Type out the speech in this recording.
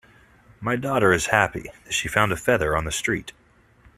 My daughter is happy that she found a feather on the street.